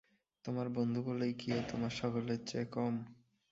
তোমার বন্ধু বলেই কি ও তোমার সকলের চেয়ে কম?